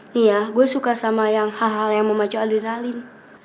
nih ya gue suka sama hal hal yang memacu adrenalin